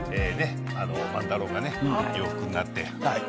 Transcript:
万太郎がね、洋服になって。